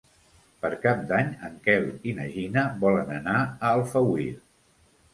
Per Cap d'Any en Quel i na Gina volen anar a Alfauir.